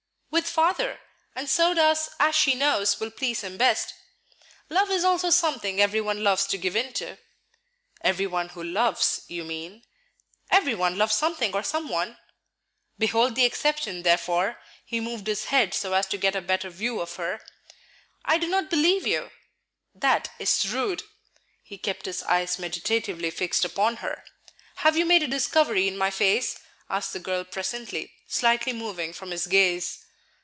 "With Father; and so does as she knows will please him best. Love is also something every one loves to give in to." "Every one who loves, you mean." "Every one loves something or some one." "Behold the exception, therefore." He moved his head so as to get a better view of her. "I do not believe you." "That is rude." He kept his eyes meditatively fixed upon her. "Have you made a discovery in my face?" asked the girl presently, slightly moving from his gaze.